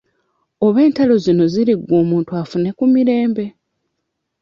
Oba entalo zino ziriggwa omuntu afune ku mirembe?